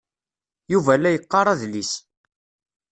Yuba la yeqqar adlis.